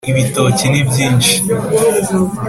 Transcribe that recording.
ibitoki ni byinshi